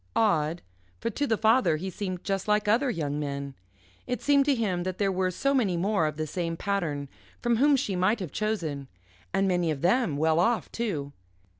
Odd, for to the father he seemed just like other young men. It seemed to him that there were so many more of the same pattern from whom she might have chosen. And many of them well off, too.